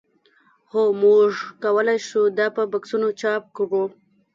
هو موږ کولی شو دا په بکسونو چاپ کړو